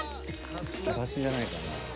［私じゃないかな］